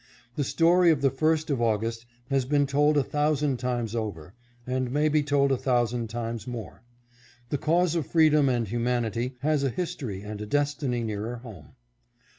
The story of the 1st of August has been told a thousand times over, and may be told a thousand times more. The cause of freedom and humanity has a history and a destiny nearer home.